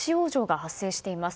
発生しています。